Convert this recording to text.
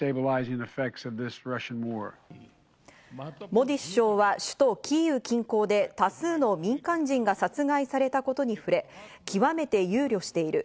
モディ首相は首都キーウ近郊で多数の民間人が殺害されたことに触れ、極めて憂慮している。